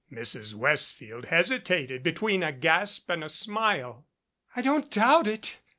Mrs. Westfield hesitated between a gasp and a smile. "I don't doubt it.